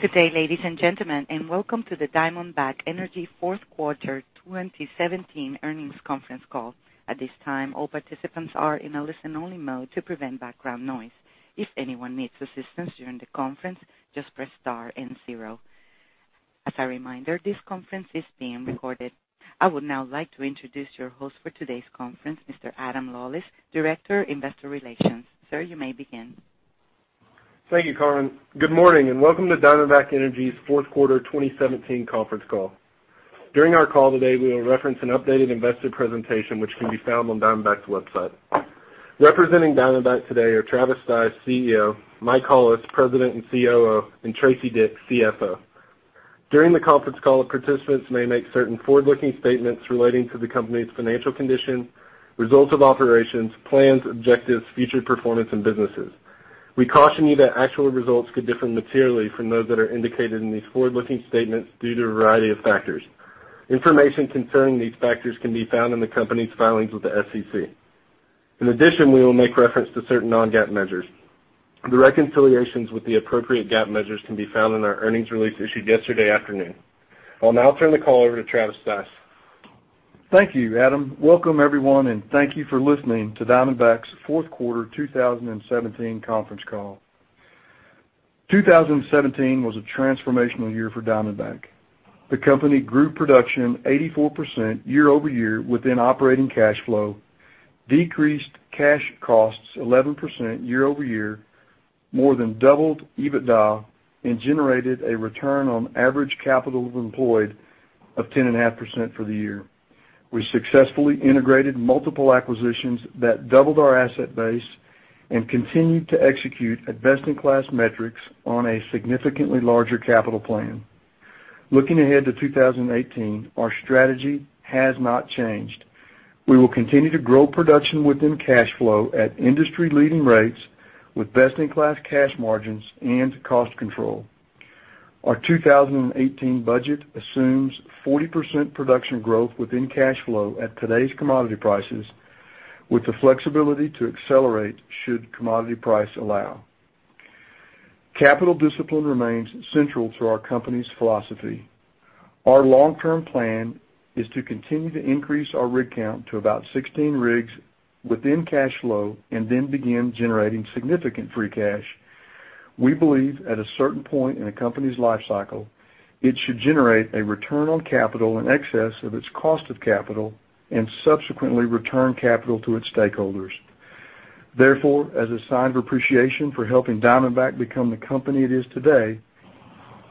Good day, ladies and gentlemen, and welcome to the Diamondback Energy fourth quarter 2017 earnings conference call. At this time, all participants are in a listen-only mode to prevent background noise. If anyone needs assistance during the conference, just press star and zero. As a reminder, this conference is being recorded. I would now like to introduce your host for today's conference, Mr. Adam Lawlis, Director of Investor Relations. Sir, you may begin. Thank you, Karen. Good morning, welcome to Diamondback Energy's fourth quarter 2017 conference call. During our call today, we will reference an updated investor presentation which can be found on Diamondback's website. Representing Diamondback today are Travis Stice, CEO; Mike Hollis, President and COO; and Tracy Dick, CFO. During the conference call, participants may make certain forward-looking statements relating to the company's financial condition, results of operations, plans, objectives, future performance, and businesses. We caution you that actual results could differ materially from those that are indicated in these forward-looking statements due to a variety of factors. Information concerning these factors can be found in the company's filings with the SEC. We will make reference to certain non-GAAP measures. The reconciliations with the appropriate GAAP measures can be found in our earnings release issued yesterday afternoon. I'll now turn the call over to Travis Stice. Thank you, Adam. Welcome, everyone, thank you for listening to Diamondback's fourth quarter 2017 conference call. 2017 was a transformational year for Diamondback. The company grew production 84% year-over-year within operating cash flow, decreased cash costs 11% year-over-year, more than doubled EBITDA, generated a return on average capital employed of 10.5% for the year. We successfully integrated multiple acquisitions that doubled our asset base and continued to execute best-in-class metrics on a significantly larger capital plan. Looking ahead to 2018, our strategy has not changed. We will continue to grow production within cash flow at industry-leading rates with best-in-class cash margins and cost control. Our 2018 budget assumes 40% production growth within cash flow at today's commodity prices with the flexibility to accelerate should commodity price allow. Capital discipline remains central to our company's philosophy. Our long-term plan is to continue to increase our rig count to about 16 rigs within cash flow, begin generating significant free cash. We believe at a certain point in a company's life cycle, it should generate a return on capital in excess of its cost of capital and subsequently return capital to its stakeholders. Therefore, as a sign of appreciation for helping Diamondback become the company it is today,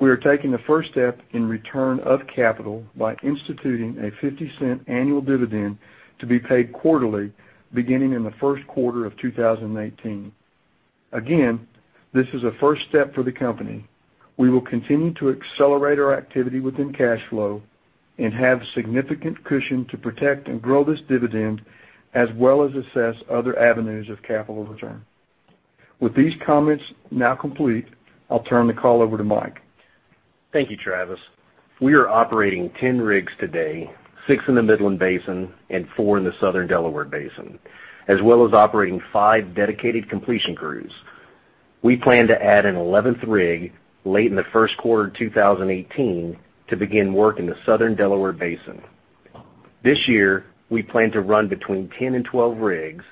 we are taking the first step in return of capital by instituting a $0.50 annual dividend to be paid quarterly, beginning in the first quarter of 2018. This is a first step for the company. We will continue to accelerate our activity within cash flow and have significant cushion to protect and grow this dividend, as well as assess other avenues of capital return. With these comments now complete, I'll turn the call over to Mike. Thank you, Travis. We are operating 10 rigs today, six in the Midland Basin and four in the Southern Delaware Basin, as well as operating five dedicated completion crews. We plan to add an 11th rig late in the first quarter 2018 to begin work in the Southern Delaware Basin. This year, we plan to run between 10 and 12 rigs.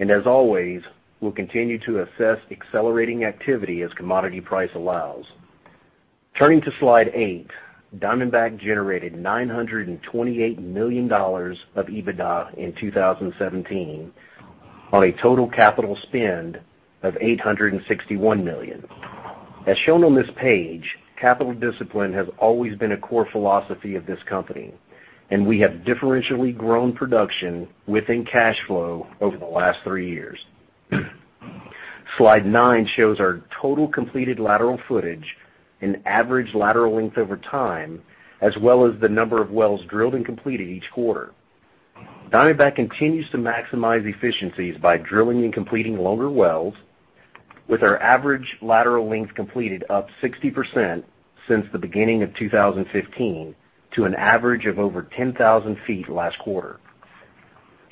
As always, we'll continue to assess accelerating activity as commodity price allows. Turning to Slide eight, Diamondback generated $928 million of EBITDA in 2017 on a total capital spend of $861 million. As shown on this page, capital discipline has always been a core philosophy of this company, and we have differentially grown production within cash flow over the last three years. Slide nine shows our total completed lateral footage and average lateral length over time, as well as the number of wells drilled and completed each quarter. Diamondback continues to maximize efficiencies by drilling and completing longer wells with our average lateral length completed up 60% since the beginning of 2015 to an average of over 10,000 feet last quarter.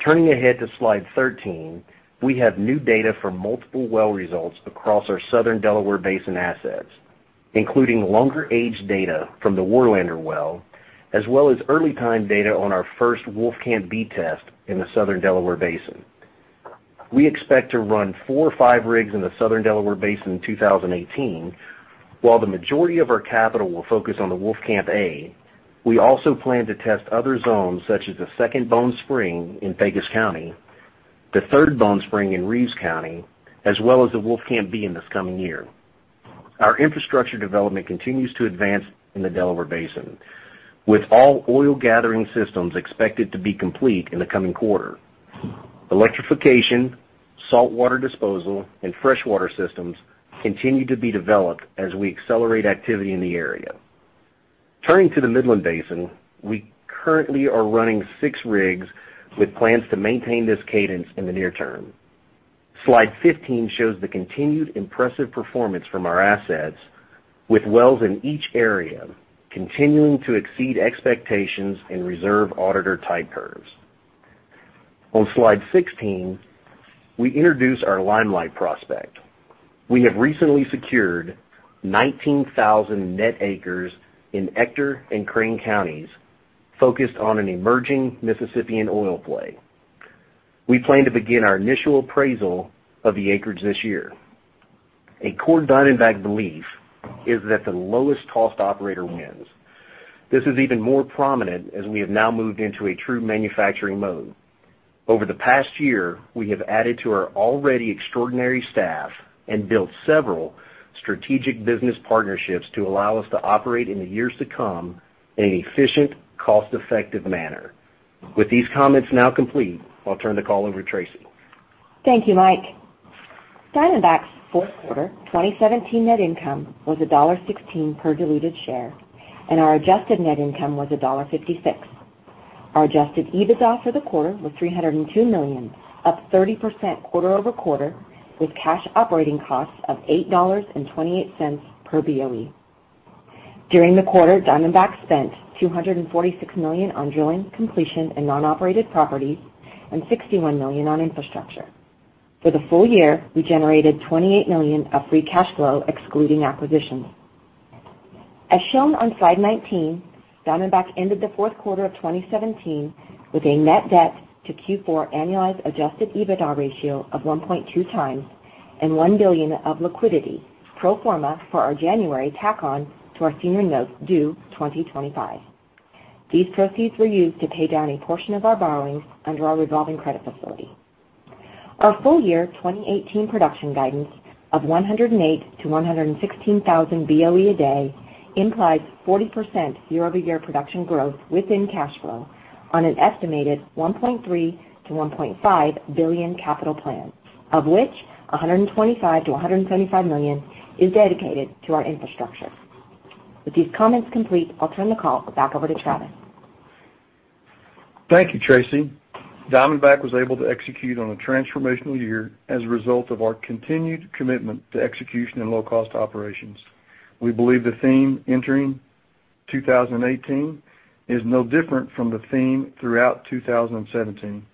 Turning ahead to Slide 13, we have new data from multiple well results across our Southern Delaware Basin assets, including longer age data from the Warlander well, as well as early time data on our first Wolfcamp B test in the Southern Delaware Basin. We expect to run four or five rigs in the Southern Delaware Basin in 2018. While the majority of our capital will focus on the Wolfcamp A, we also plan to test other zones such as the Second Bone Spring in Pecos County, the Third Bone Spring in Reeves County, as well as the Wolfcamp B in this coming year. Our infrastructure development continues to advance in the Delaware Basin, with all oil gathering systems expected to be complete in the coming quarter. Electrification, saltwater disposal, and freshwater systems continue to be developed as we accelerate activity in the area. Turning to the Midland Basin, we currently are running six rigs with plans to maintain this cadence in the near term. Slide 15 shows the continued impressive performance from our assets with wells in each area continuing to exceed expectations and reserve auditor type curves. On Slide 16, we introduce our Limelight prospect. We have recently secured 19,000 net acres in Ector and Crane counties focused on an emerging Mississippian oil play. We plan to begin our initial appraisal of the acreage this year. A core Diamondback belief is that the lowest cost operator wins. This is even more prominent as we have now moved into a true manufacturing mode. Over the past year, we have added to our already extraordinary staff and built several strategic business partnerships to allow us to operate in the years to come in an efficient, cost-effective manner. With these comments now complete, I'll turn the call over to Tracy. Thank you, Mike. Diamondback's fourth quarter 2017 net income was $1.16 per diluted share, and our adjusted net income was $1.56. Our adjusted EBITDA for the quarter was $302 million, up 30% quarter-over-quarter, with cash operating costs of $8.28 per BOE. During the quarter, Diamondback spent $246 million on drilling completion and non-operated properties and $61 million on infrastructure. For the full year, we generated $28 million of free cash flow, excluding acquisitions. As shown on slide 19, Diamondback ended the fourth quarter of 2017 with a net debt to Q4 annualized adjusted EBITDA ratio of 1.2 times and $1 billion of liquidity pro forma for our January tack on to our senior notes due 2025. These proceeds were used to pay down a portion of our borrowings under our revolving credit facility. Our full year 2018 production guidance of 108,000 to 116,000 BOE a day implies 40% year-over-year production growth within cash flow on an estimated $1.3 billion-$1.5 billion capital plan, of which $125 million-$175 million is dedicated to our infrastructure. With these comments complete, I'll turn the call back over to Travis. Thank you, Tracy. Diamondback was able to execute on a transformational year as a result of our continued commitment to execution and low-cost operations. We believe the theme entering 2018 is no different from the theme throughout 2017,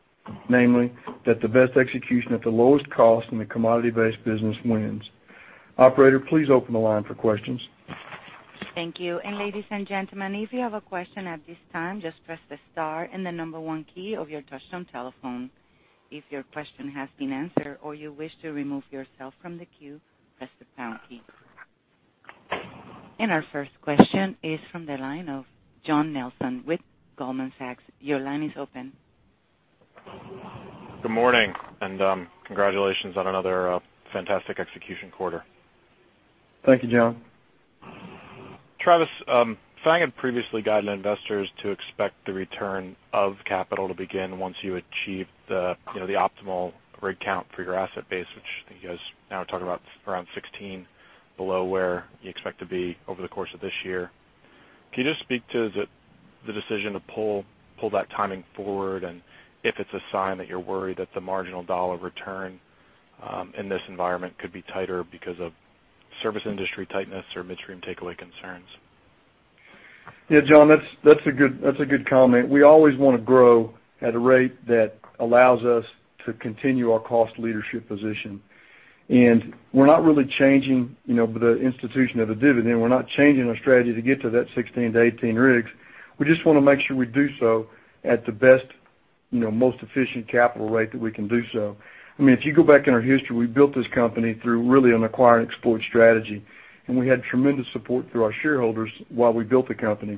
namely that the best execution at the lowest cost in the commodity-based business wins. Operator, please open the line for questions. Thank you. Ladies and gentlemen, if you have a question at this time, just press the star and the number one key of your touchtone telephone. If your question has been answered or you wish to remove yourself from the queue, press the pound key. Our first question is from the line of John Nelson with Goldman Sachs. Your line is open. Good morning, congratulations on another fantastic execution quarter. Thank you, John. Travis, if I had previously guided investors to expect the return of capital to begin once you achieve the optimal rig count for your asset base, which I think you guys now are talking about around 16 below where you expect to be over the course of this year. Can you just speak to the decision to pull that timing forward? If it's a sign that you're worried that the marginal dollar return in this environment could be tighter because of service industry tightness or midstream takeaway concerns? Yeah, John, that's a good comment. We always want to grow at a rate that allows us to continue our cost leadership position. We're not really changing the institution of a dividend. We're not changing our strategy to get to that 16-18 rigs. We just want to make sure we do so at the best, most efficient capital rate that we can do so. If you go back in our history, we built this company through really an acquire and exploit strategy, and we had tremendous support through our shareholders while we built the company.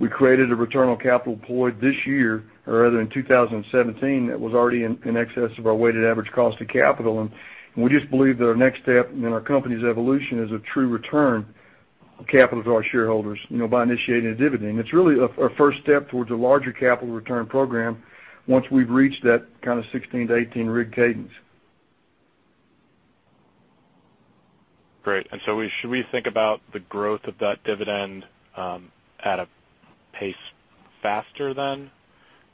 We created a return on capital deployed this year, or rather in 2017, that was already in excess of our weighted average cost of capital. We just believe that our next step in our company's evolution is a true return of capital to our shareholders, by initiating a dividend. It's really a first step towards a larger capital return program once we've reached that kind of 16 to 18 rig cadence. Great. Should we think about the growth of that dividend at a pace faster than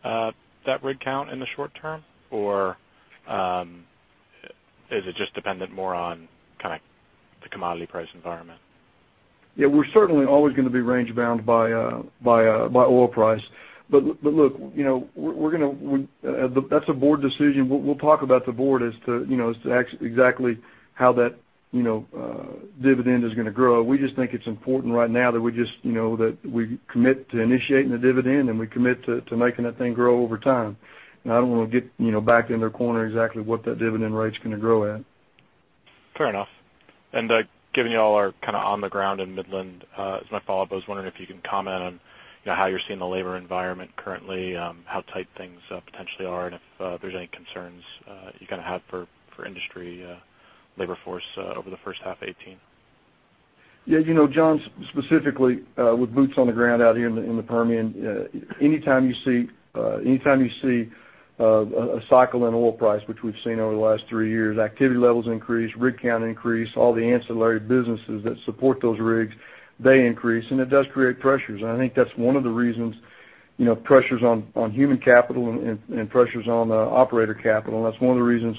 that rig count in the short term? Is it just dependent more on the commodity price environment? Yeah, we're certainly always going to be range bound by oil price. Look, that's a board decision. We'll talk about the board as to exactly how that dividend is going to grow. We just think it's important right now that we commit to initiating the dividend, and we commit to making that thing grow over time. I don't want to get backed into a corner exactly what that dividend rate's going to grow at. Fair enough. Given you all are on the ground in Midland, as my follow-up, I was wondering if you can comment on how you're seeing the labor environment currently, how tight things potentially are, and if there's any concerns you have for industry labor force over the first half of 2018? Yeah, John, specifically with boots on the ground out here in the Permian, anytime you see a cycle in oil price, which we've seen over the last three years, activity levels increase, rig count increase, all the ancillary businesses that support those rigs, they increase, and it does create pressures. I think that's one of the reasons, pressures on human capital and pressures on operator capital, and that's one of the reasons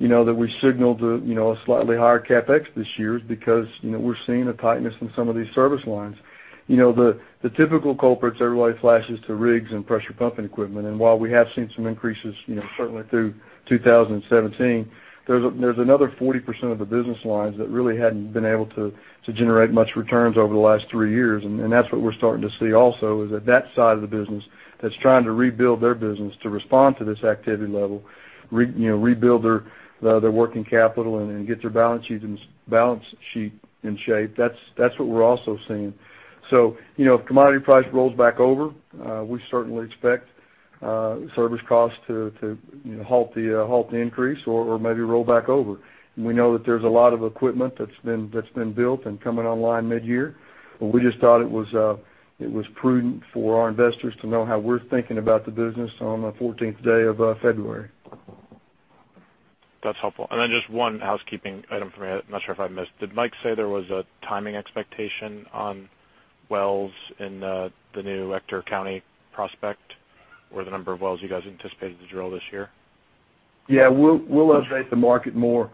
that we signaled a slightly higher CapEx this year is because we're seeing a tightness in some of these service lines. The typical culprits, everybody flashes to rigs and pressure pumping equipment, and while we have seen some increases certainly through 2017, there's another 40% of the business lines that really hadn't been able to generate much returns over the last three years. That's what we're starting to see also, is that that side of the business that's trying to rebuild their business to respond to this activity level, rebuild their working capital and get their balance sheet in shape. That's what we're also seeing. If commodity price rolls back over, we certainly expect service costs to halt the increase or maybe roll back over. We know that there's a lot of equipment that's been built and coming online mid-year. We just thought it was prudent for our investors to know how we're thinking about the business on the 14th day of February. That's helpful. Then just one housekeeping item for me. I'm not sure if I missed. Did Mike say there was a timing expectation on wells in the new Ector County prospect or the number of wells you guys anticipated to drill this year? Yeah, we'll update the market more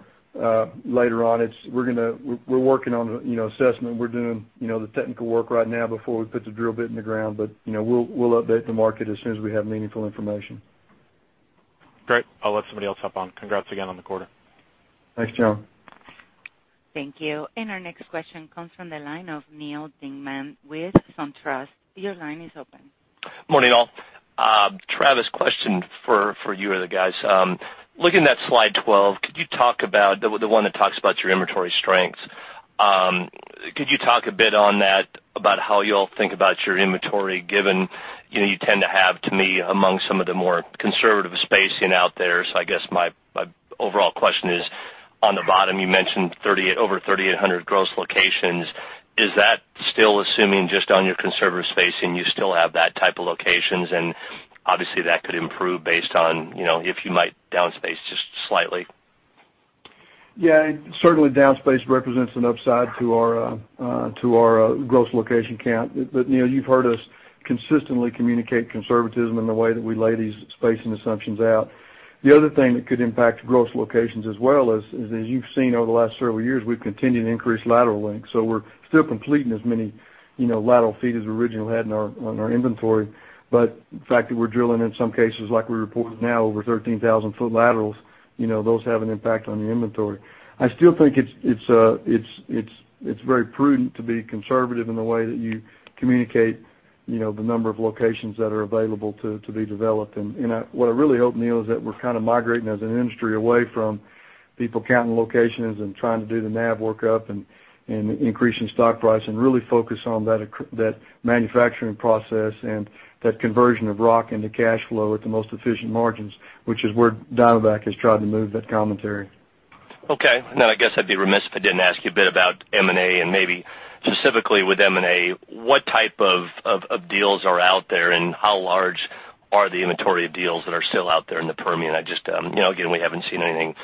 later on. We're working on assessment. We're doing the technical work right now before we put the drill bit in the ground, we'll update the market as soon as we have meaningful information. Great. I'll let somebody else hop on. Congrats again on the quarter. Thanks, John. Thank you. Our next question comes from the line of Neal Dingmann with SunTrust. Your line is open. Morning, all. Travis, question for you or the guys. Looking at slide 12, could you talk about the one that talks about your inventory strengths? Could you talk a bit on that about how you all think about your inventory, given you tend to have, to me, among some of the more conservative spacing out there? I guess my overall question is, on the bottom, you mentioned over 3,800 gross locations. Is that still assuming just on your conservative spacing, you still have that type of locations? Obviously, that could improve based on if you might down-space just slightly. Yeah. Certainly, down-space represents an upside to our gross location count. Neal, you've heard us consistently communicate conservatism in the way that we lay these spacing assumptions out. The other thing that could impact gross locations as you've seen over the last several years, we've continued to increase lateral lengths. We're still completing as many lateral feet as we originally had on our inventory. The fact that we're drilling, in some cases, like we reported now, over 13,000-foot laterals, those have an impact on the inventory. I still think it's very prudent to be conservative in the way that you communicate the number of locations that are available to be developed. What I really hope, Neal, is that we're kind of migrating as an industry away from people counting locations and trying to do the NAV workup and increasing stock price and really focus on that manufacturing process and that conversion of rock into cash flow at the most efficient margins, which is where Diamondback has tried to move that commentary. Okay. I guess I'd be remiss if I didn't ask you a bit about M&A and maybe specifically with M&A, what type of deals are out there, and how large are the inventory of deals that are still out there in the Permian? Again, we haven't seen anything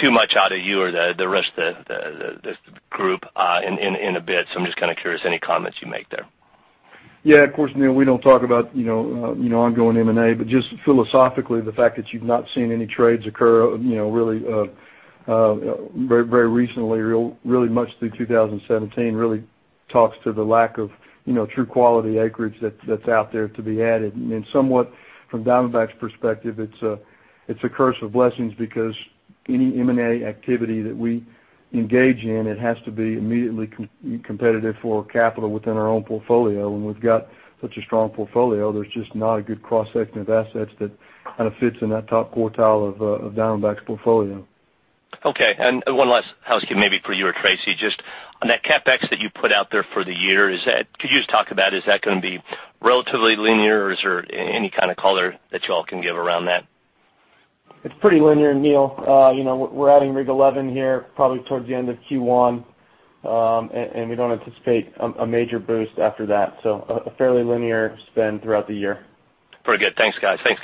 too much out of you or the rest of the group in a bit, so I'm just kind of curious any comments you make there. Yeah, of course, Neal, we don't talk about ongoing M&A, just philosophically, the fact that you've not seen any trades occur really very recently, really much through 2017, really talks to the lack of true quality acreage that's out there to be added. Somewhat from Diamondback's perspective, it's a curse of blessings because any M&A activity that we engage in, it has to be immediately competitive for capital within our own portfolio. We've got such a strong portfolio, there's just not a good cross-section of assets that kind of fits in that top quartile of Diamondback's portfolio. Okay, one last housekeeping maybe for you or Tracy, just on that CapEx that you put out there for the year, could you just talk about, is that going to be relatively linear, or is there any kind of color that you all can give around that? It's pretty linear, Neal. We're adding rig 11 here probably towards the end of Q1, and we don't anticipate a major boost after that. A fairly linear spend throughout the year. Very good. Thanks, guys. Thank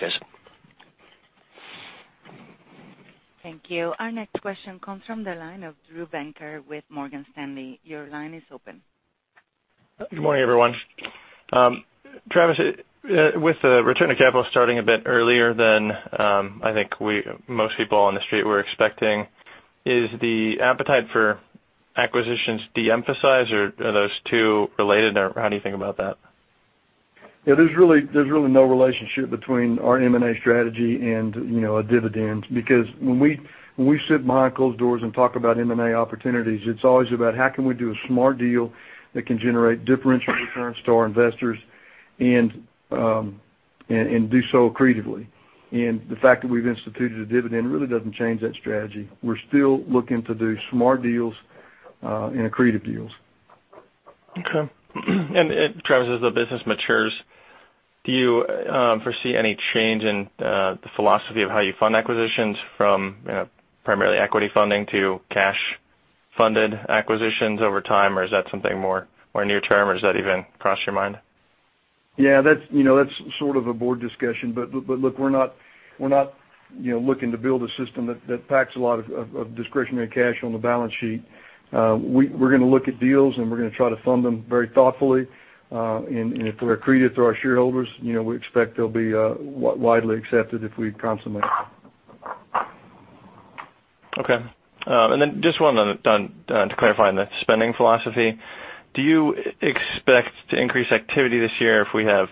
you. Our next question comes from the line of Drew Venker with Morgan Stanley. Your line is open. Good morning, everyone. Travis, with the return of capital starting a bit earlier than I think most people on the street were expecting, is the appetite for acquisitions de-emphasized, or are those two related? How do you think about that? Yeah, there's really no relationship between our M&A strategy and a dividend, because when we sit behind closed doors and talk about M&A opportunities, it's always about how can we do a smart deal that can generate differential returns to our investors and do so accretively. The fact that we've instituted a dividend really doesn't change that strategy. We're still looking to do smart deals and accretive deals. Okay. Travis, as the business matures, do you foresee any change in the philosophy of how you fund acquisitions from primarily equity funding to cash-funded acquisitions over time, or is that something more near term, or does that even cross your mind? Yeah. That's sort of a board discussion. Look, we're not looking to build a system that packs a lot of discretionary cash on the balance sheet. We're going to look at deals, and we're going to try to fund them very thoughtfully. If they're accretive to our shareholders, we expect they'll be widely accepted if we consummate them. Okay. Then just one to clarify on the spending philosophy. Do you expect to increase activity this year if we have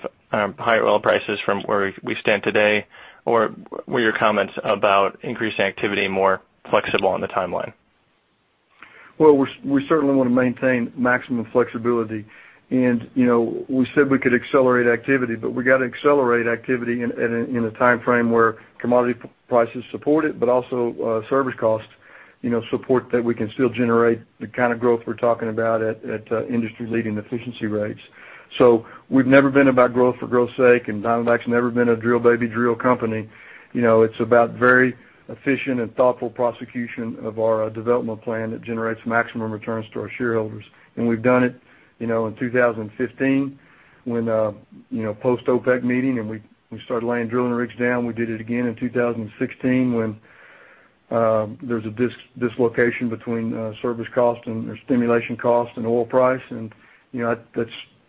higher oil prices from where we stand today? Were your comments about increased activity more flexible on the timeline? Well, we certainly want to maintain maximum flexibility. We said we could accelerate activity, we got to accelerate activity in a timeframe where commodity prices support it, but also service costs support that we can still generate the kind of growth we're talking about at industry-leading efficiency rates. We've never been about growth for growth's sake, Diamondback's never been a drill, baby, drill company. It's about very efficient and thoughtful prosecution of our development plan that generates maximum returns to our shareholders. We've done it in 2015 when, post-OPEC meeting, we started laying drilling rigs down. We did it again in 2016 when there was a dislocation between service cost and stimulation cost and oil price.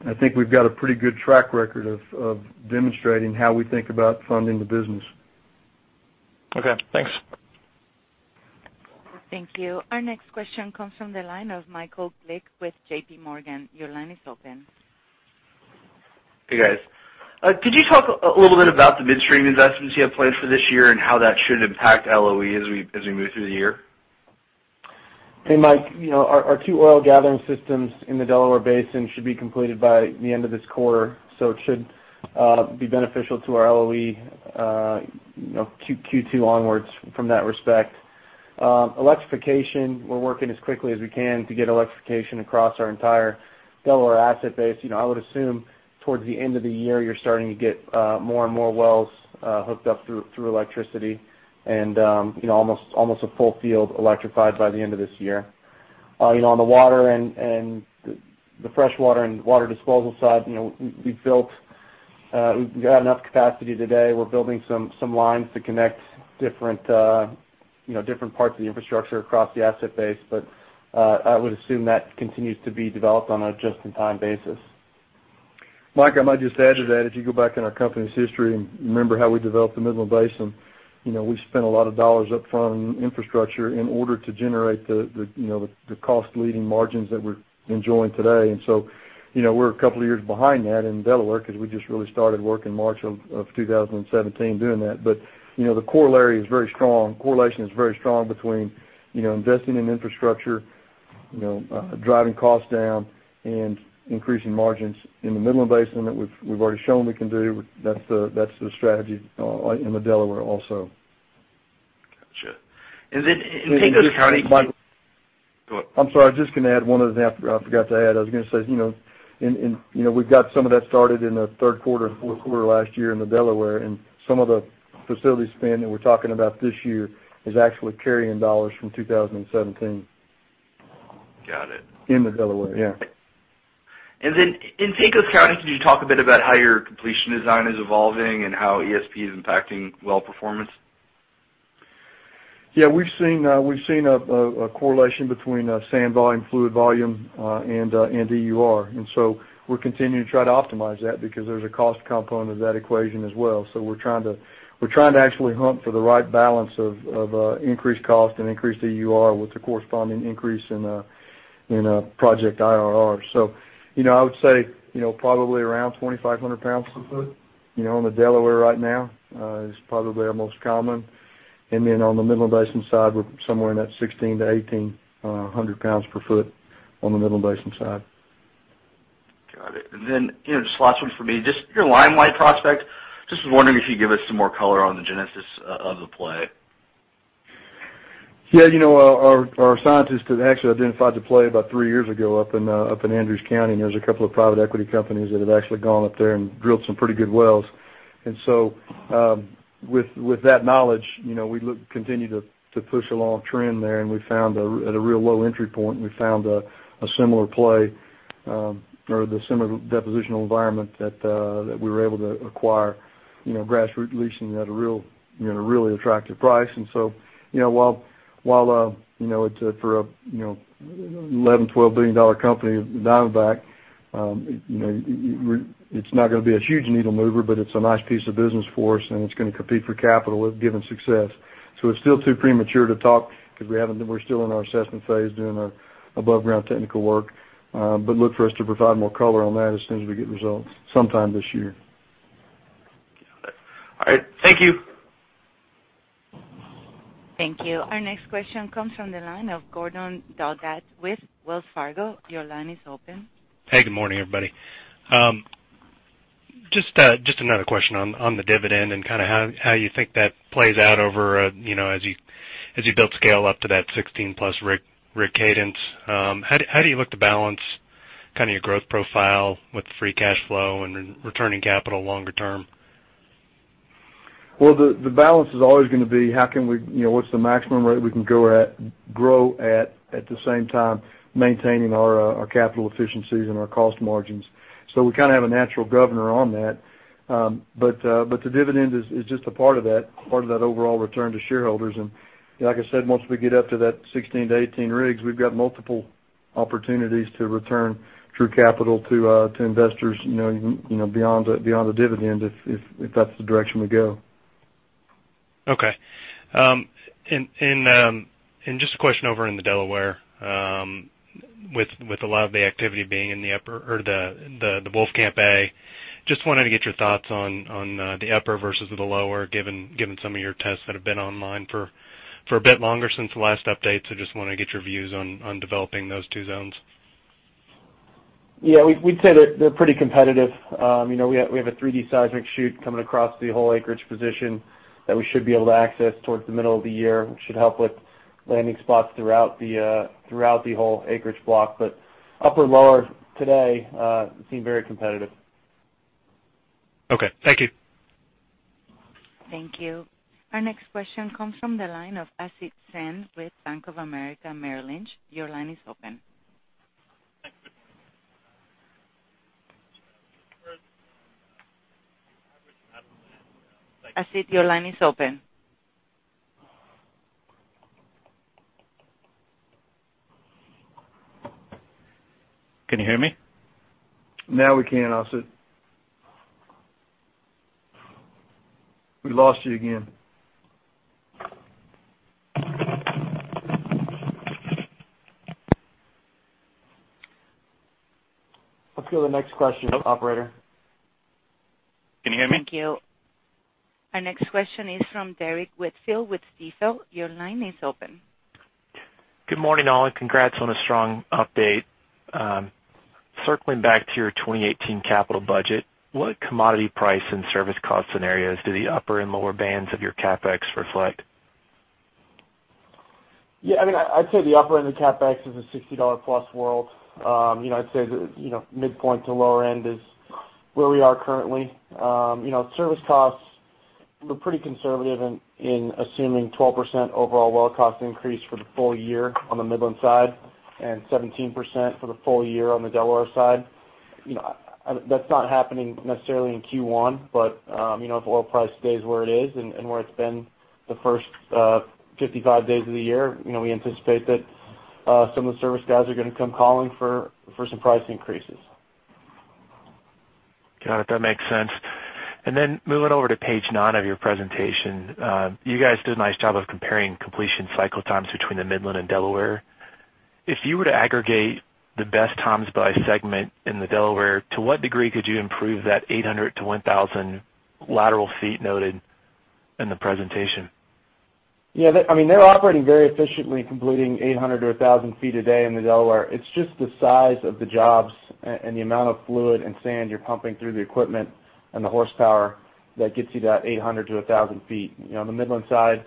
I think we've got a pretty good track record of demonstrating how we think about funding the business. Okay, thanks. Thank you. Our next question comes from the line of Michael Glick with JPMorgan. Your line is open. Hey, guys. Could you talk a little bit about the midstream investments you have planned for this year and how that should impact LOE as we move through the year? Hey, Mike. Our two oil gathering systems in the Delaware Basin should be completed by the end of this quarter, so it should be beneficial to our LOE Q2 onwards from that respect. Electrification, we're working as quickly as we can to get electrification across our entire Delaware asset base. I would assume towards the end of the year, you're starting to get more and more wells hooked up through electricity and almost a full field electrified by the end of this year. On the water and the freshwater and water disposal side, we've got enough capacity today. We're building some lines to connect different parts of the infrastructure across the asset base. I would assume that continues to be developed on a just-in-time basis. Mike, I might just add to that, if you go back in our company's history and remember how we developed the Midland Basin, we've spent a lot of dollars up front on infrastructure in order to generate the cost-leading margins that we're enjoying today. We're a couple of years behind that in Delaware, because we just really started work in March of 2017 doing that. The correlation is very strong between investing in infrastructure, driving costs down, and increasing margins in the Midland Basin that we've already shown we can do. That's the strategy in the Delaware also. Got you. In Pecos County- Mike. Go on. I'm sorry. I was just going to add one other thing I forgot to add. I was going to say, we've got some of that started in the third quarter and fourth quarter last year in the Delaware, some of the facility spend that we're talking about this year is actually carry-in $ from 2017. Got it. In the Delaware, yeah. In Pecos County, can you talk a bit about how your completion design is evolving and how ESP is impacting well performance? Yeah. We've seen a correlation between sand volume, fluid volume, and EUR. We're continuing to try to optimize that because there's a cost component to that equation as well. We're trying to actually hunt for the right balance of increased cost and increased EUR with a corresponding increase in project IRR. I would say, probably around 2,500 pounds per foot on the Delaware right now is probably our most common. On the Midland Basin side, we're somewhere in that 1,600-1,800 pounds per foot on the Midland Basin side. Got it. Just last one from me. Your Limelight prospect, just was wondering if you'd give us some more color on the genesis of the play. Yeah. Our scientists had actually identified the play about three years ago up in Andrews County, and there's a couple of private equity companies that have actually gone up there and drilled some pretty good wells. With that knowledge, we continue to push along trend there, and we found at a real low entry point, we found a similar play, or the similar depositional environment that we were able to acquire grassroots leasing at a really attractive price. While for an $11 billion-$12 billion company, Diamondback, it's not going to be a huge needle mover, but it's a nice piece of business for us, and it's going to compete for capital given success. It's still too premature to talk because we're still in our assessment phase doing above ground technical work. Look for us to provide more color on that as soon as we get results sometime this year. Got it. All right. Thank you. Thank you. Our next question comes from the line of Gordon Douthat with Wells Fargo. Your line is open. Hey, good morning, everybody. Another question on the dividend and how you think that plays out as you build scale up to that 16-plus rig cadence. How do you look to balance your growth profile with free cash flow and returning capital longer term? Well, the balance is always going to be what's the maximum rate we can grow at the same time maintaining our capital efficiencies and our cost margins. We kind of have a natural governor on that. The dividend is just a part of that overall return to shareholders. Like I said, once we get up to that 16 to 18 rigs, we've got multiple opportunities to return true capital to investors beyond the dividend, if that's the direction we go. Okay. Just a question over in the Delaware, with a lot of the activity being in the Wolfcamp A, just wanted to get your thoughts on the upper versus the lower, given some of your tests that have been online for a bit longer since the last update. Just want to get your views on developing those two zones. Yeah, we'd say that they're pretty competitive. We have a 3D seismic shoot coming across the whole acreage position that we should be able to access towards the middle of the year, which should help with landing spots throughout the whole acreage block. Upper lower today seem very competitive. Okay. Thank you. Thank you. Our next question comes from the line of Asit Sen with Bank of America Merrill Lynch. Your line is open. Thanks. Good morning. Asit, your line is open. Can you hear me? Now we can, Asit. We lost you again. Let's go to the next question, operator. Can you hear me? Thank you. Our next question is from Derrick Whitfield with Stifel. Your line is open. Good morning, all, and congrats on a strong update. Circling back to your 2018 capital budget, what commodity price and service cost scenarios do the upper and lower bands of your CapEx reflect? Yeah. I'd say the upper end of CapEx is a $60-plus world. I'd say the midpoint to lower end is where we are currently. Service costs, we're pretty conservative in assuming 12% overall well cost increase for the full year on the Midland side, and 17% for the full year on the Delaware side. That's not happening necessarily in Q1, but if oil price stays where it is and where it's been the first 55 days of the year, we anticipate that some of the service guys are going to come calling for some price increases. Got it. That makes sense. Moving over to page nine of your presentation. You guys did a nice job of comparing completion cycle times between the Midland and Delaware. If you were to aggregate the best times by segment in the Delaware, to what degree could you improve that 800 to 1,000 lateral feet noted in the presentation? Yeah. They're operating very efficiently, completing 800-1,000 feet a day in the Delaware Basin. It's just the size of the jobs and the amount of fluid and sand you're pumping through the equipment and the horsepower that gets you that 800-1,000 feet. On the Midland Basin side,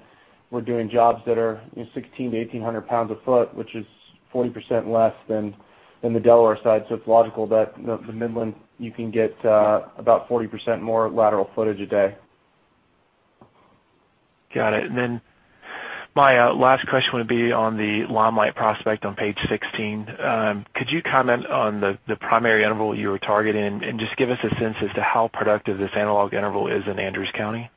we're doing jobs that are 1,600-1,800 pounds a foot, which is 40% less than the Delaware Basin side. It's logical that the Midland Basin, you can get about 40% more lateral footage a day. Got it. My last question would be on the Limelight prospect on page 16. Could you comment on the primary interval you were targeting? Just give us a sense as to how productive this analog interval is in Andrews County.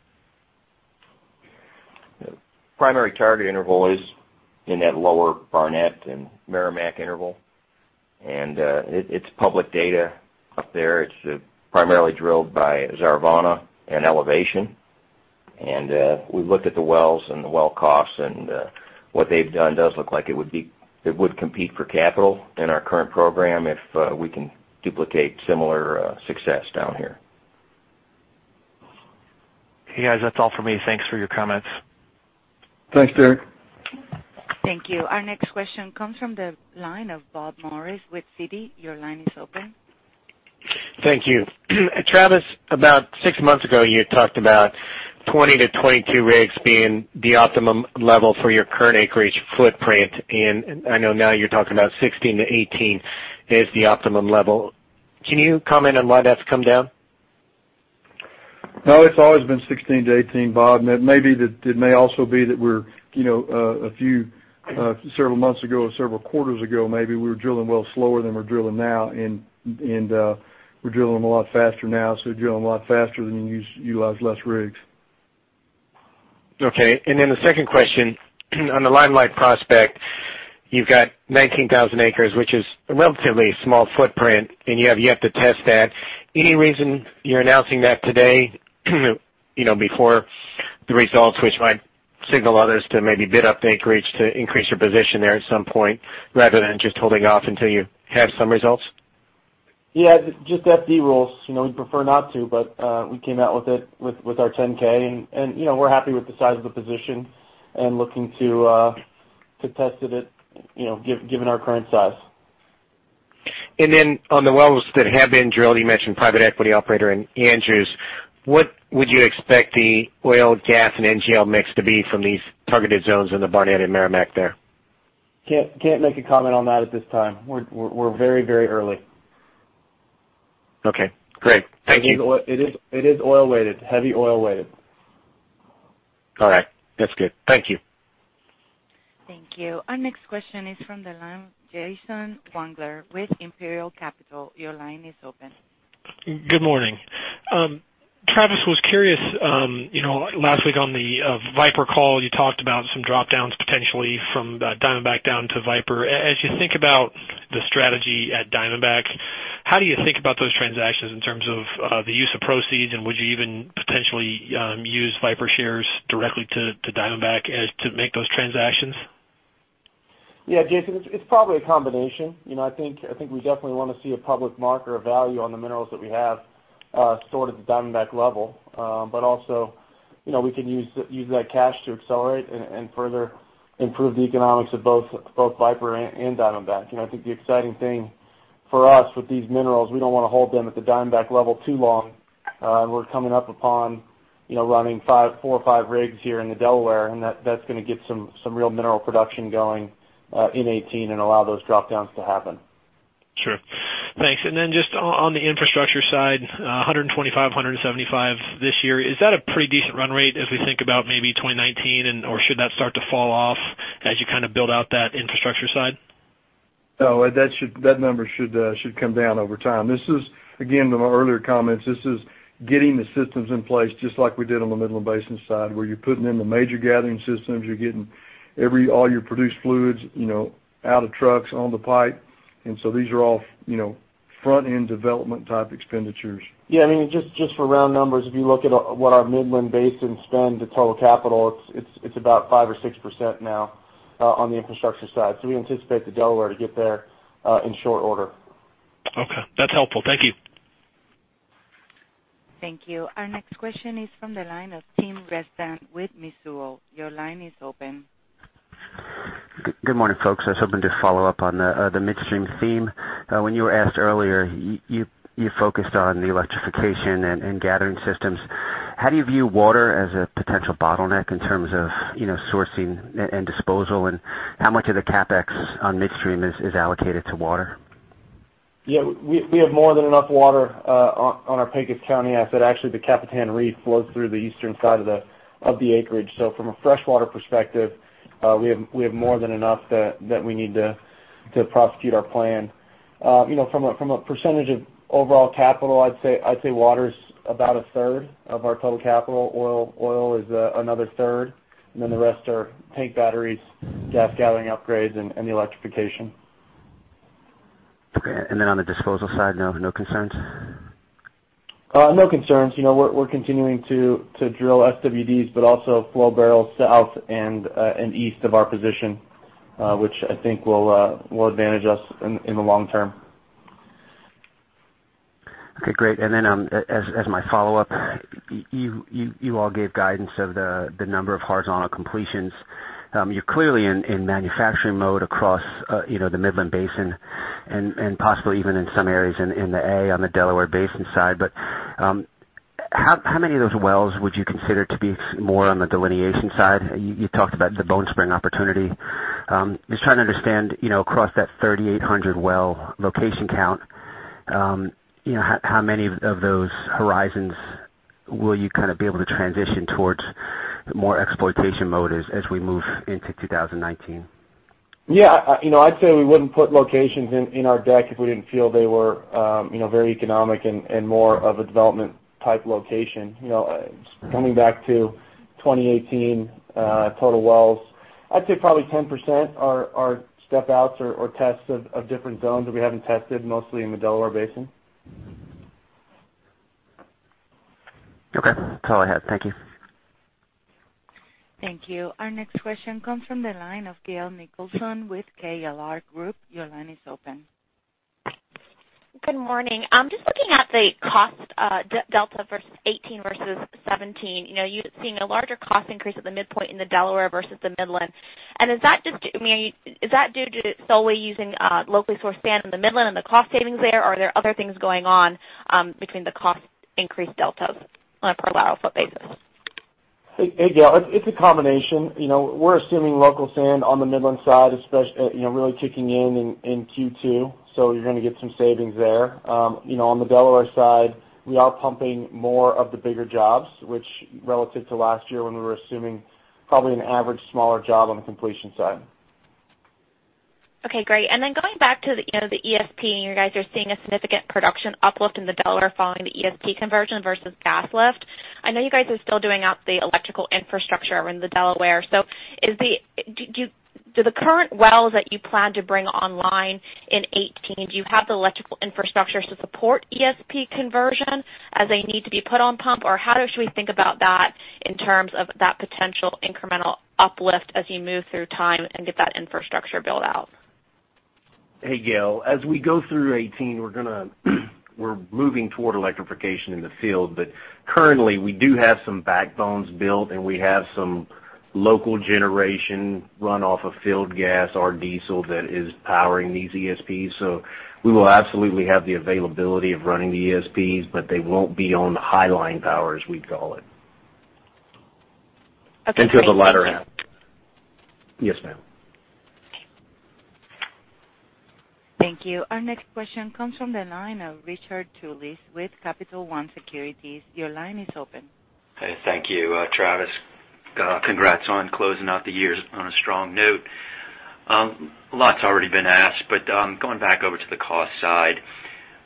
The primary target interval is in that lower Barnett and Meramec interval. It's public data up there. It's primarily drilled by Zarvona Energy and Elevation Resources. We've looked at the wells and the well costs, what they've done does look like it would compete for capital in our current program if we can duplicate similar success down here. Hey, guys, that's all for me. Thanks for your comments. Thanks, Derrick. Thank you. Our next question comes from the line of Bob Morris with Citi. Your line is open. Thank you. Travis, about six months ago, you had talked about 20-22 rigs being the optimum level for your current acreage footprint. I know now you're talking about 16-18 is the optimum level. Can you comment on why that's come down? No, it's always been 16-18, Bob. It may also be that a few, several months ago or several quarters ago maybe, we were drilling wells slower than we're drilling now, we're drilling them a lot faster now. We're drilling a lot faster than you utilize less rigs. Okay. The second question, on the Limelight prospect, you've got 19,000 acres, which is a relatively small footprint, and you have yet to test that. Any reason you're announcing that today before the results, which might signal others to maybe bid up the acreage to increase your position there at some point, rather than just holding off until you have some results? Yeah, just FD rules. We'd prefer not to, but we came out with it with our 10-K, and we're happy with the size of the position and looking to test it, given our current size. On the wells that have been drilled, you mentioned private equity operator in Andrews. What would you expect the oil, gas, and NGL mix to be from these targeted zones in the Barnett and Meramec there? Can't make a comment on that at this time. We're very early. Okay, great. Thank you. It is oil weighted, heavy oil weighted. All right. That's good. Thank you. Thank you. Our next question is from the line of Jason Wangler with Imperial Capital. Your line is open. Good morning. Travis, was curious, last week on the Viper call, you talked about some drop-downs potentially from Diamondback down to Viper. As you think about the strategy at Diamondback, how do you think about those transactions in terms of the use of proceeds, and would you even potentially use Viper shares directly to Diamondback as to make those transactions? Yeah, Jason, it's probably a combination. I think we definitely want to see a public market or value on the minerals that we have sort of the Diamondback level. Also, we can use that cash to accelerate and further improve the economics of both Viper and Diamondback. I think the exciting thing for us with these minerals, we don't want to hold them at the Diamondback level too long. We're coming up upon running four or five rigs here in the Delaware, and that's going to get some real mineral production going in 2018 and allow those drop-downs to happen. Sure. Thanks. Then just on the infrastructure side, 125, 175 this year. Is that a pretty decent run rate as we think about maybe 2019? And/or should that start to fall off as you build out that infrastructure side? No, that number should come down over time. This is, again, to my earlier comments, this is getting the systems in place just like we did on the Midland Basin side, where you're putting in the major gathering systems, you're getting all your produced fluids out of trucks on the pipe. These are all front-end development type expenditures. Yeah, just for round numbers, if you look at what our Midland Basin spend to total capital, it's about 5% or 6% now on the infrastructure side. We anticipate the Delaware to get there in short order. Okay. That's helpful. Thank you. Thank you. Our next question is from the line of Tim Rezvan with Mizuho. Your line is open. Good morning, folks. I was hoping to follow up on the midstream theme. When you were asked earlier, you focused on the electrification and gathering systems. How do you view water as a potential bottleneck in terms of sourcing and disposal, and how much of the CapEx on midstream is allocated to water? We have more than enough water on our Pecos County asset. Actually, the Capitan Reef flows through the eastern side of the acreage. From a freshwater perspective, we have more than enough that we need to prosecute our plan. From a percentage of overall capital, I'd say water's about a third of our total CapEx. Oil is another third, the rest are tank batteries, gas gathering upgrades, and the electrification. On the disposal side, no concerns? No concerns. We're continuing to drill SWDs, also flow barrels south and east of our position, which I think will advantage us in the long term. As my follow-up, you all gave guidance of the number of horizontal completions. You're clearly in manufacturing mode across the Midland Basin and possibly even in some areas in the A on the Delaware Basin side. How many of those wells would you consider to be more on the delineation side? You talked about the Bone Spring opportunity. Just trying to understand, across that 3,800 well location count, how many of those horizons will you be able to transition towards more exploitation mode as we move into 2019? Yeah. I'd say we wouldn't put locations in our deck if we didn't feel they were very economic and more of a development type location. Coming back to 2018 total wells, I'd say probably 10% are step outs or tests of different zones that we haven't tested, mostly in the Delaware Basin. Okay. That's all I had. Thank you. Thank you. Our next question comes from the line of Gail Nicholson with KLR Group. Your line is open. Good morning. Just looking at the cost delta for 2018 versus 2017. You're seeing a larger cost increase at the midpoint in the Delaware versus the Midland. Is that due to solely using locally sourced sand in the Midland and the cost savings there, or are there other things going on between the cost increase deltas on a per lateral foot basis? Hey, Gail. It's a combination. We're assuming local sand on the Midland side, really kicking in in Q2, so you're going to get some savings there. On the Delaware side, we are pumping more of the bigger jobs, which relative to last year, when we were assuming probably an average smaller job on the completion side. Okay, great. Going back to the ESP, you guys are seeing a significant production uplift in the Delaware following the ESP conversion versus gas lift. I know you guys are still doing out the electrical infrastructure in the Delaware. Do the current wells that you plan to bring online in 2018, do you have the electrical infrastructure to support ESP conversion as they need to be put on pump? Or how should we think about that in terms of that potential incremental uplift as you move through time and get that infrastructure built out? Hey, Gail, as we go through 2018, we're moving toward electrification in the field, but currently we do have some backbones built, and we have some local generation run off of field gas or diesel that is powering these ESPs. We will absolutely have the availability of running the ESPs, but they won't be on the highline power, as we'd call it. Okay, great. Thank you. Until the latter half. Yes, ma'am. Thank you. Our next question comes from the line of Richard Willis with Capital One Securities. Your line is open. Hey, thank you. Travis, congrats on closing out the year on a strong note. Going back over to the cost side,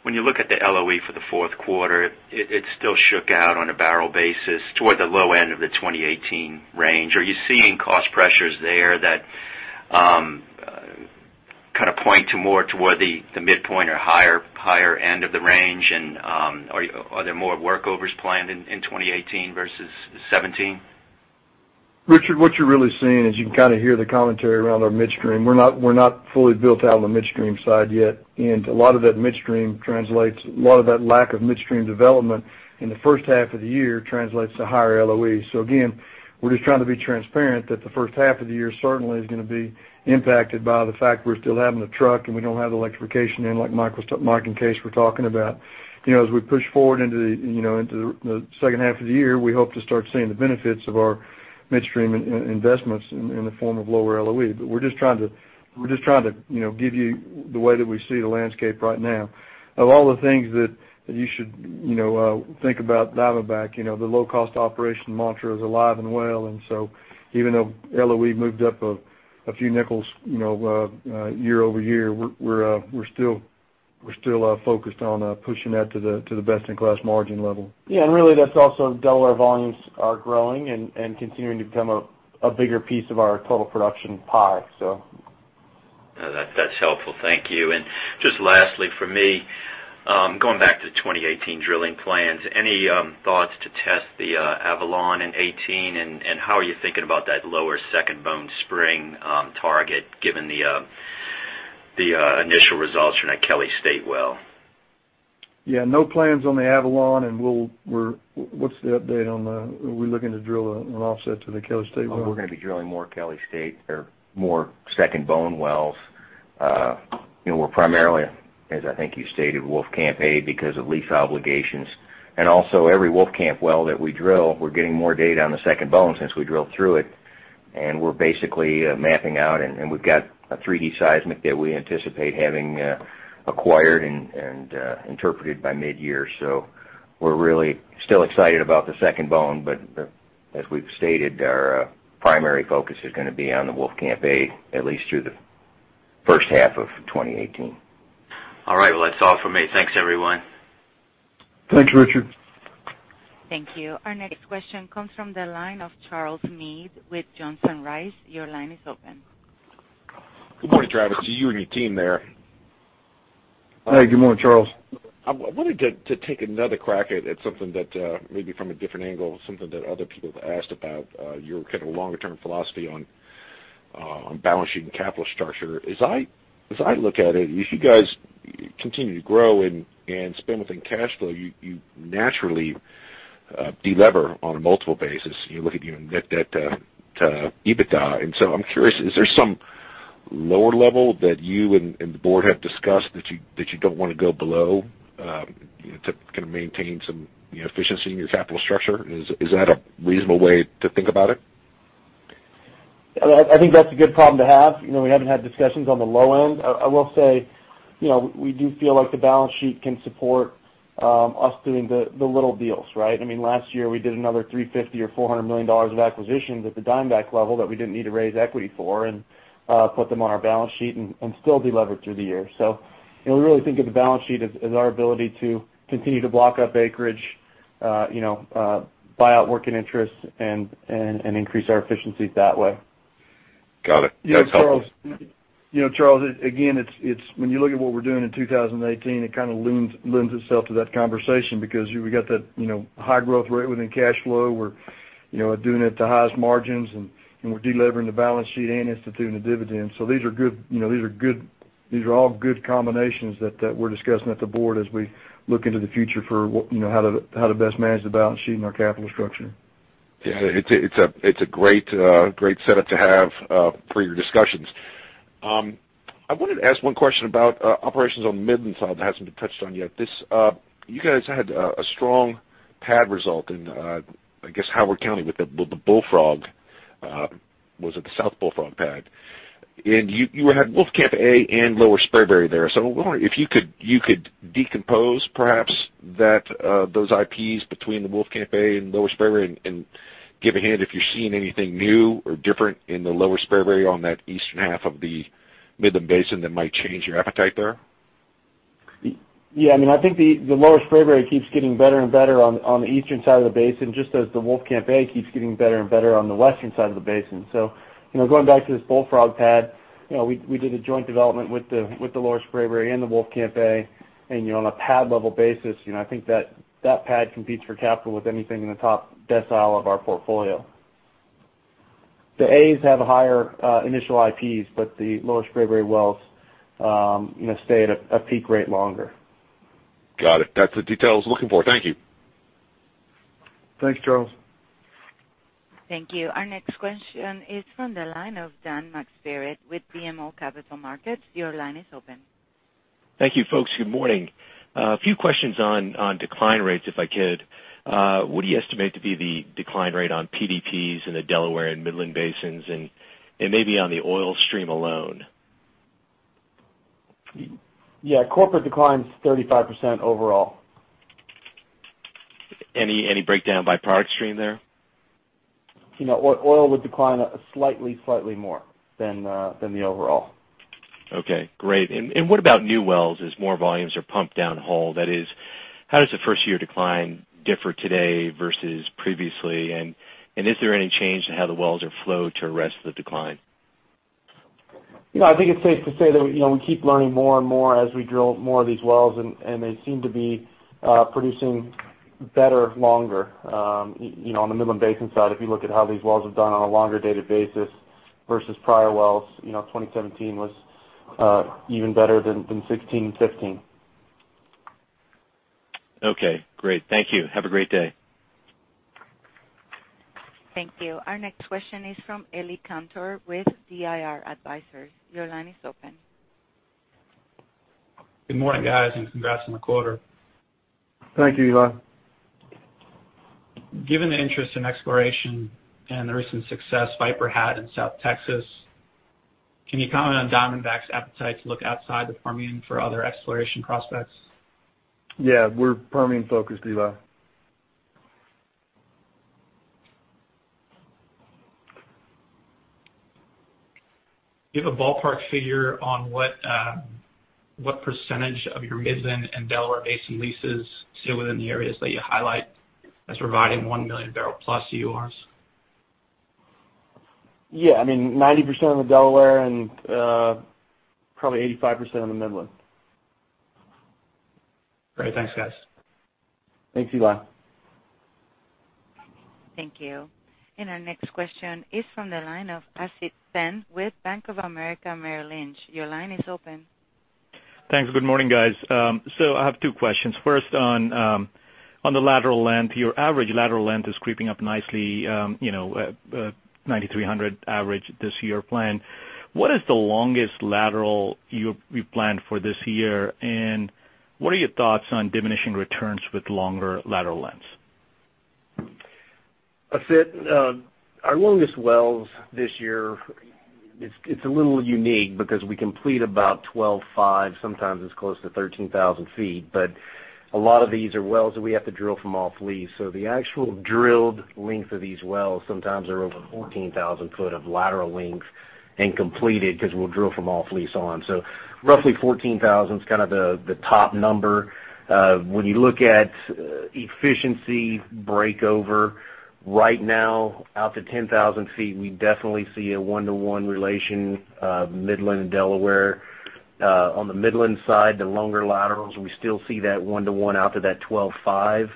when you look at the LOE for the fourth quarter, it still shook out on a barrel basis toward the low end of the 2018 range. Are you seeing cost pressures there that point more toward the midpoint or higher end of the range? Are there more workovers planned in 2018 versus 2017? Richard, what you're really seeing is, you can hear the commentary around our midstream. We're not fully built out on the midstream side yet. A lot of that lack of midstream development in the first half of the year translates to higher LOE. We're just trying to be transparent that the first half of the year certainly is going to be impacted by the fact we're still having to truck. We don't have the electrification in like Mike and Kaes were talking about. We push forward into the second half of the year, we hope to start seeing the benefits of our midstream investments in the form of lower LOE. We're just trying to give you the way that we see the landscape right now. Of all the things that you should think about Diamondback, the low-cost operation mantra is alive and well. Even though LOE moved up a few nickels year-over-year, we're still focused on pushing that to the best-in-class margin level. Yeah, really, that's also Delaware volumes are growing and continuing to become a bigger piece of our total production pie. No, that's helpful. Thank you. Just lastly from me, going back to 2018 drilling plans, any thoughts to test the Avalon in 2018? How are you thinking about that lower Second Bone Spring target given the initial results from that Kelly State well? Yeah. No plans on the Avalon. Are we looking to drill an offset to the Kelly State well? Well, we're going to be drilling more Kelly State or more Second Bone wells. We're primarily, as I think you stated, Wolfcamp A because of lease obligations. Also, every Wolfcamp well that we drill, we're getting more data on the Second Bone since we drilled through it, and we're basically mapping out, and we've got a 3D seismic that we anticipate having acquired and interpreted by mid-year. We're really still excited about the Second Bone, but as we've stated, our primary focus is going to be on the Wolfcamp A, at least through the first half of 2018. All right. Well, that's all from me. Thanks, everyone. Thanks, Richard. Thank you. Our next question comes from the line of Charles Meade with Johnson Rice. Your line is open. Good morning, Travis, to you and your team there. Hey, good morning, Charles. I wanted to take another crack at something that maybe from a different angle, something that other people have asked about, your longer-term philosophy on balancing capital structure. As I look at it, if you guys continue to grow and spend within cash flow, you naturally de-lever on a multiple basis. You look at net debt to EBITDA. I'm curious, is there some lower level that you and the board have discussed that you don't want to go below to maintain some efficiency in your capital structure? Is that a reasonable way to think about it? I think that's a good problem to have. We haven't had discussions on the low end. I will say, we do feel like the balance sheet can support us doing the little deals, right? Last year, we did another $350 million or $400 million of acquisitions at the Diamondback level that we didn't need to raise equity for and put them on our balance sheet and still de-lever through the year. We really think of the balance sheet as our ability to continue to block up acreage, buy out working interests, and increase our efficiencies that way. Got it. That's helpful. Charles, again, when you look at what we're doing in 2018, it lends itself to that conversation because we got that high growth rate within cash flow. We're doing it at the highest margins, and we're de-levering the balance sheet and instituting a dividend. These are all good combinations that we're discussing at the board as we look into the future for how to best manage the balance sheet and our capital structure. It's a great setup to have for your discussions. I wanted to ask one question about operations on the Midland side that hasn't been touched on yet. You guys had a strong pad result in, I guess, Howard County with the Bullfrog. Was it the South Bullfrog pad? You had Wolfcamp A and Lower Spraberry there. I was wondering if you could decompose perhaps those IPs between the Wolfcamp A and Lower Spraberry and give a hint if you're seeing anything new or different in the Lower Spraberry on that eastern half of the Midland Basin that might change your appetite there? I think the Lower Spraberry keeps getting better and better on the eastern side of the basin, just as the Wolfcamp A keeps getting better and better on the western side of the basin. Going back to this Bullfrog pad, we did a joint development with the Lower Spraberry and the Wolfcamp A, and on a pad-level basis, I think that pad competes for capital with anything in the top decile of our portfolio. The A's have a higher initial IPs, but the Lower Spraberry wells stay at a peak rate longer. Got it. That's the detail I was looking for. Thank you. Thanks, Charles. Thank you. Our next question is from the line of Dan McSpirit with BMO Capital Markets. Your line is open. Thank you, folks. Good morning. A few questions on decline rates, if I could. What do you estimate to be the decline rate on PDPs in the Delaware and Midland basins, and maybe on the oil stream alone? Yeah. Corporate decline's 35% overall. Any breakdown by product stream there? Oil would decline slightly more than the overall. Okay, great. What about new wells as more volumes are pumped downhole? That is, how does the first-year decline differ today versus previously, and is there any change to how the wells are flowed to arrest the decline? I think it's safe to say that we keep learning more and more as we drill more of these wells, and they seem to be producing better, longer. On the Midland Basin side, if you look at how these wells have done on a longer data basis versus prior wells, 2017 was even better than 2016 and 2015. Okay, great. Thank you. Have a great day. Thank you. Our next question is from Eli Kantor with DIR Advisors. Your line is open. Good morning, guys, congrats on the quarter. Thank you, Eli. Given the interest in exploration and the recent success Viper had in South Texas, can you comment on Diamondback's appetite to look outside the Permian for other exploration prospects? Yeah, we're Permian focused, Eli. Do you have a ballpark figure on what percentage of your Midland and Delaware Basin leases sit within the areas that you highlight as providing 1 million barrel plus EURs? Yeah. 90% of the Delaware and probably 85% of the Midland. Great. Thanks, guys. Thanks, Eli. Thank you. Our next question is from the line of Asit Sen with Bank of America Merrill Lynch. Your line is open. Thanks. Good morning, guys. I have two questions. First, on the lateral length, your average lateral length is creeping up nicely, 9,300 average this year planned. What is the longest lateral you planned for this year, and what are your thoughts on diminishing returns with longer lateral lengths? Asit, our longest wells this year, it's a little unique because we complete about 12.5, sometimes it's close to 13,000 feet, but a lot of these are wells that we have to drill from off lease. The actual drilled length of these wells sometimes are over 14,000 foot of lateral length and completed because we'll drill from off lease on. Roughly 14,000 is the top number. When you look at efficiency break over right now, out to 10,000 feet, we definitely see a one-to-one relation of Midland and Delaware. On the Midland side, the longer laterals, we still see that one-to-one out to that 12.5.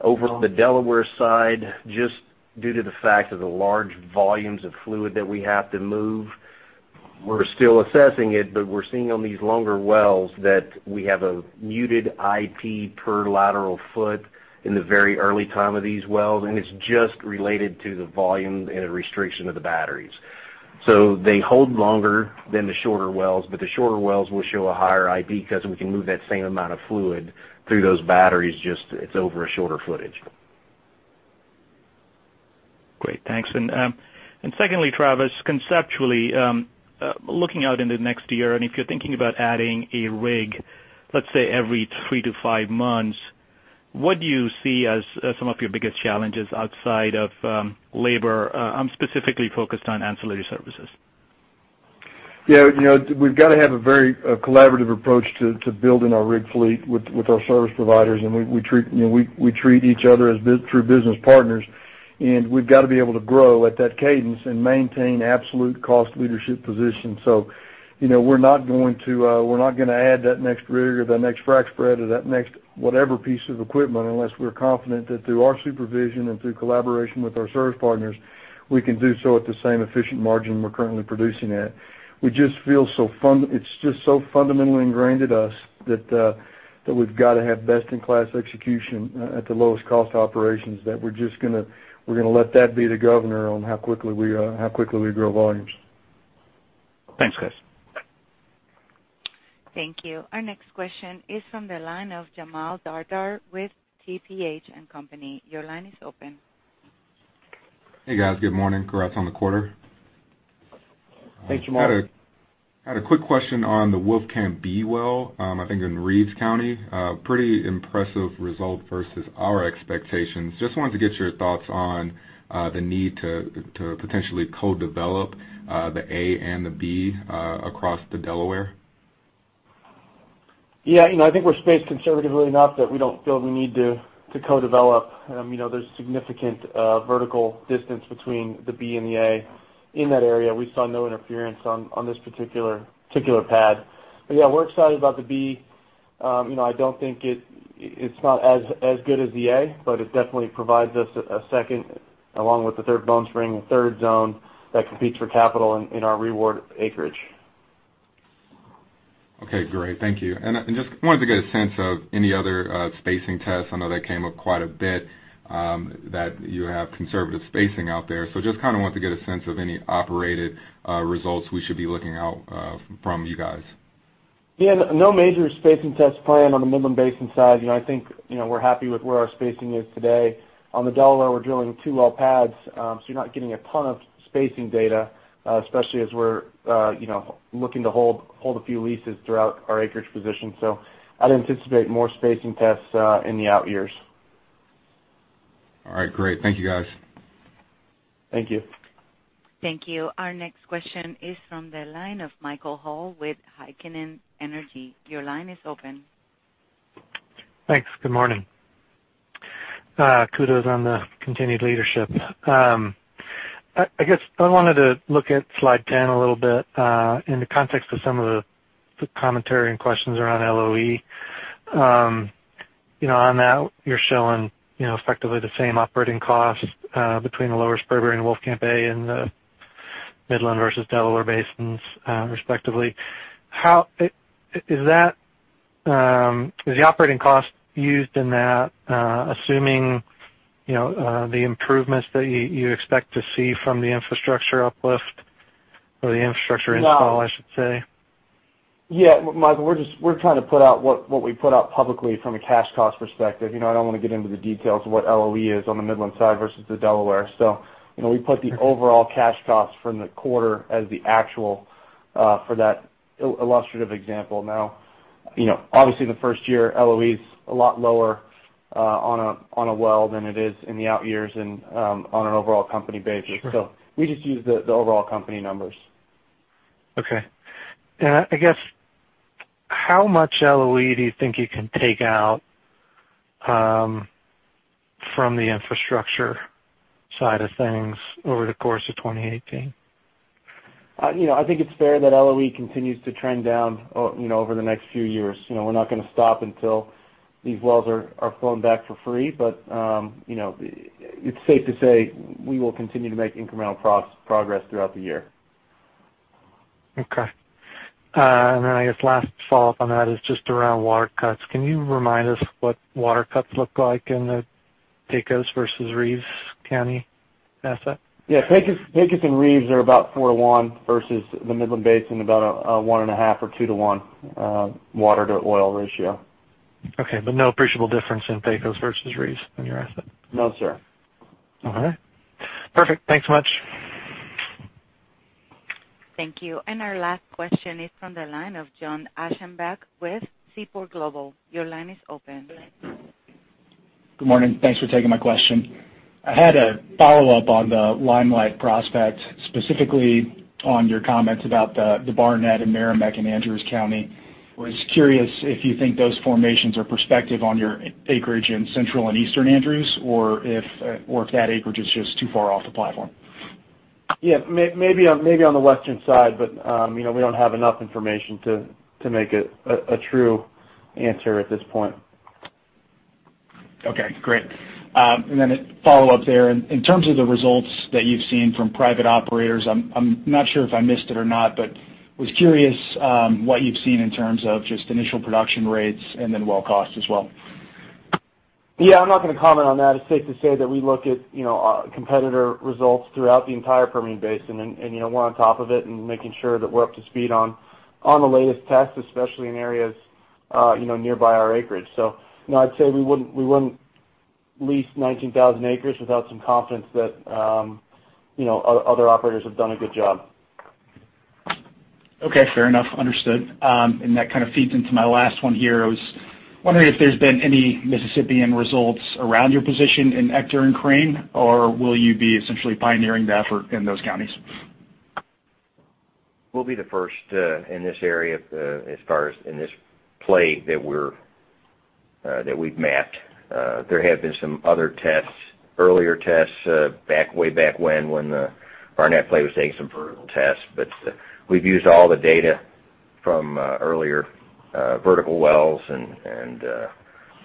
Over the Delaware side, just due to the fact of the large volumes of fluid that we have to move, we're still assessing it, but we're seeing on these longer wells that we have a muted IP per lateral foot in the very early time of these wells, and it's just related to the volume and the restriction of the batteries. They hold longer than the shorter wells, but the shorter wells will show a higher IP because we can move that same amount of fluid through those batteries, just it's over a shorter footage. Great, thanks. Secondly, Travis, conceptually, looking out into next year, and if you're thinking about adding a rig, let's say every three to five months, what do you see as some of your biggest challenges outside of labor? I'm specifically focused on ancillary services. Yeah. We've got to have a very collaborative approach to building our rig fleet with our service providers, and we treat each other as true business partners, and we've got to be able to grow at that cadence and maintain absolute cost leadership position. We're not going to add that next rig or that next frac spread or that next whatever piece of equipment, unless we're confident that through our supervision and through collaboration with our service partners, we can do so at the same efficient margin we're currently producing at. It's just so fundamentally ingrained in us that we've got to have best-in-class execution at the lowest cost operations that we're just going to let that be the governor on how quickly we grow volumes. Thanks, guys. Thank you. Our next question is from the line of Jamal Dardar with TPH&Co. Your line is open. Hey, guys. Good morning. Congrats on the quarter. Thanks, Jamal. I had a quick question on the Wolfcamp B well, I think in Reeves County. Pretty impressive result versus our expectations. Just wanted to get your thoughts on the need to potentially co-develop the A and the B across the Delaware. Yeah. I think we're spaced conservatively enough that we don't feel the need to co-develop. There's significant vertical distance between the B and the A in that area. We saw no interference on this particular pad. Yeah, we're excited about the B I don't think it's not as good as the A, but it definitely provides us a second, along with the Third Bone Spring, a third zone that competes for capital in our ReWard acreage. Okay, great. Thank you. I just wanted to get a sense of any other spacing tests. I know that came up quite a bit that you have conservative spacing out there. Just want to get a sense of any operated results we should be looking out from you guys. Yeah. No major spacing tests planned on the Midland Basin side. I think we're happy with where our spacing is today. On the Delaware, we're drilling two well pads, so you're not getting a ton of spacing data, especially as we're looking to hold a few leases throughout our acreage position. I'd anticipate more spacing tests in the out years. All right, great. Thank you, guys. Thank you. Thank you. Our next question is from the line of Michael Hall with Heikkinen Energy Advisors. Your line is open. Thanks. Good morning. Kudos on the continued leadership. I guess I wanted to look at slide 10 a little bit, in the context of some of the commentary and questions around LOE. On that, you're showing effectively the same operating costs between the Lower Spraberry and Wolfcamp A in the Midland versus Delaware Basins, respectively. Is the operating cost used in that assuming the improvements that you expect to see from the infrastructure uplift or the infrastructure install No I should say? Yeah, Michael, we're trying to put out what we put out publicly from a cash cost perspective. I don't want to get into the details of what LOE is on the Midland side versus the Delaware. We put the overall cash cost from the quarter as the actual for that illustrative example. Obviously, the first year LOE is a lot lower on a well than it is in the out years and on an overall company basis. Sure. We just use the overall company numbers. Okay. I guess, how much LOE do you think you can take out from the infrastructure side of things over the course of 2018? I think it's fair that LOE continues to trend down over the next few years. We're not going to stop until these wells are flowed back for free. It's safe to say we will continue to make incremental progress throughout the year. Okay. I guess last follow-up on that is just around water cuts. Can you remind us what water cuts look like in the Pecos versus Reeves County asset? Yeah. Pecos and Reeves are about 4:1 versus the Midland Basin, about a 1.5:1 or 2:1 water to oil ratio. Okay. No appreciable difference in Pecos versus Reeves on your asset? No, sir. All right. Perfect. Thanks so much. Thank you. Our last question is from the line of John Aschenbeck with Seaport Global. Your line is open. Good morning. Thanks for taking my question. I had a follow-up on the Limelight prospect, specifically on your comments about the Barnett and Meramec in Andrews County. Was curious if you think those formations are prospective on your acreage in Central and Eastern Andrews, or if that acreage is just too far off the platform. Yeah. Maybe on the western side, we don't have enough information to make it a true answer at this point. Okay, great. A follow-up there. In terms of the results that you've seen from private operators, I'm not sure if I missed it or not, was curious what you've seen in terms of just initial production rates and then well cost as well. Yeah, I'm not going to comment on that. It's safe to say that we look at competitor results throughout the entire Permian Basin, we're on top of it and making sure that we're up to speed on the latest tests, especially in areas nearby our acreage. I'd say we wouldn't lease 19,000 acres without some confidence that other operators have done a good job. Okay, fair enough. Understood. That feeds into my last one here. I was wondering if there's been any Mississippian results around your position in Ector and Crane, or will you be essentially pioneering the effort in those counties? We'll be the first in this area as far as in this play that we've mapped. There have been some other tests, earlier tests, way back when the Barnett play was taking some vertical tests. We've used all the data from earlier vertical wells and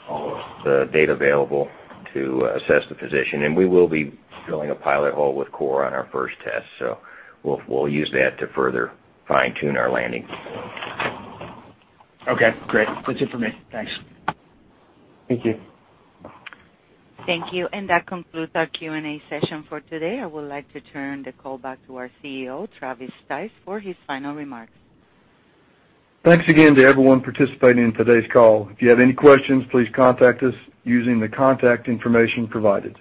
all the data available to assess the position. We will be drilling a pilot hole with Core on our first test. We'll use that to further fine-tune our landing. Okay, great. That's it for me. Thanks. Thank you. Thank you. That concludes our Q&A session for today. I would like to turn the call back to our CEO, Travis Stice, for his final remarks. Thanks again to everyone participating in today's call. If you have any questions, please contact us using the contact information provided.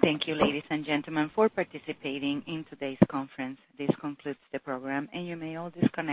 Thank you, ladies and gentlemen, for participating in today's conference. This concludes the program, and you may all disconnect.